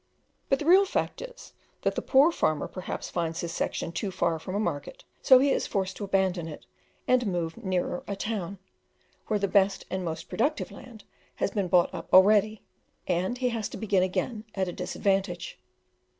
But the real fact is, that the poor farmer perhaps finds his section is too far from a market, so he is forced to abandon it and move nearer a town, where the best and most productive land has been bought up already; and he has to begin again at a disadvantage.